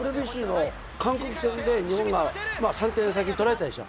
ＷＢＣの韓国戦で日本が３点先に取られたでしょ？